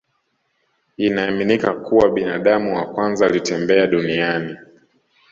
Inaaminika kuwa binadamu wa kwanza alitembea duniani